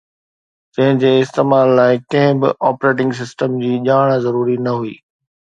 جنهن جي استعمال لاءِ ڪنهن به آپريٽنگ سسٽم جي ڄاڻ ضروري نه هئي